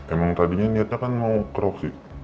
emang tadinya niatnya kan mau keroki